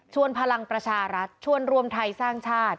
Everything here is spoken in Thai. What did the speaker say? พลังประชารัฐชวนรวมไทยสร้างชาติ